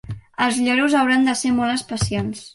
Els lloros hauran de ser molt especials.